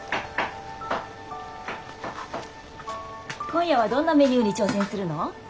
今夜はどんなメニューに挑戦するの？